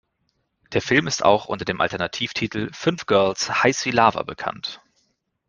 Der Film ist auch unter dem Alternativtitel "Fünf Girls heiß wie Lava" bekannt.